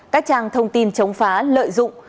các trang thông tin chống phá lợi dụng